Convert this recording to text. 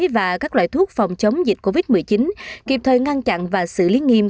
và các loại thuốc phòng chống dịch covid một mươi chín kịp thời ngăn chặn và xử lý nghiêm